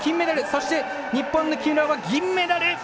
そして、日本の木村は銀メダル！